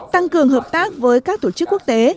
tăng cường hợp tác với các tổ chức quốc tế